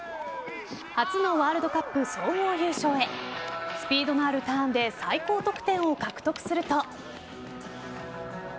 初のワールドカップ総合優勝へスピードのあるターンで最高得点を獲得すると。